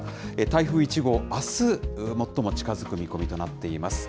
台風１号、あす、最も近づく見込みとなっています。